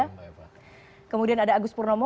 kemudian ada agus purnomo ketua departemen analisis pertama